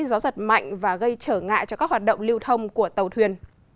gió giật mạnh và gây trở ngại cho các hoạt động lưu thông của tàu thuyền